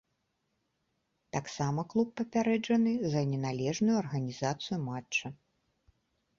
Таксама клуб папярэджаны за неналежную арганізацыю матча.